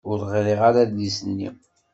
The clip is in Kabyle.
Ur ɣriɣ ara adlis-nni.